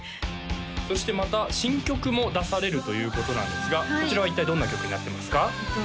そしてまた新曲も出されるということなんですがこちらは一体どんな曲になってますか？